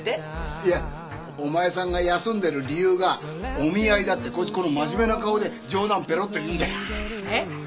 いやお前さんが休んでる理由がお見合いだってこいつこの真面目な顔で冗談ペロって言うんだよえっ